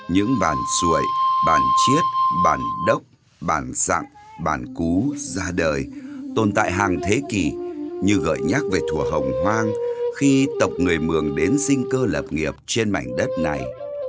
những bàn xuẩy bàn chiết bàn đốc bàn sặng bàn cú ra đời tồn tại hàng thế kỷ như gợi nhắc về thùa hồng hoang khi tộc người mường đến sinh cơ lập nghiệp trên mảnh đất này